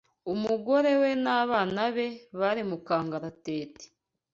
umugore we n’abana be bari mu kangaratete